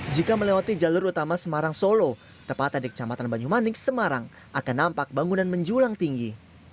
jika melewati jalur utama semarang solo tepatnya di kecamatan banyumanik semarang akan nampak bangunan menjulang tinggi